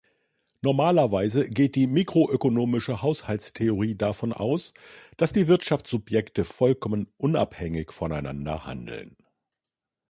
Normalerweise geht die mikroökonomische Haushaltstheorie davon aus, dass die Wirtschaftssubjekte vollkommen unabhängig voneinander handeln.